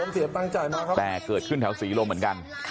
แต่เกิดขึ้นแถวสีลมเหมือนกัน